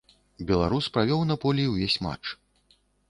Беларус правёў на полі ўвесь матч.